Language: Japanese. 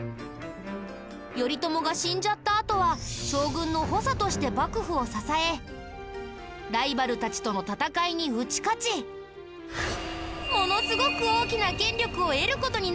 頼朝が死んじゃったあとは将軍の補佐として幕府を支えライバルたちとの戦いに打ち勝ちものすごく大きな権力を得る事になるんだ。